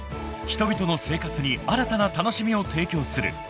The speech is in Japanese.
［人々の生活に新たな楽しみを提供する］